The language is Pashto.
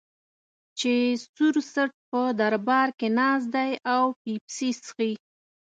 چې سور څټ په دربار کې ناست دی او پیپسي څښي.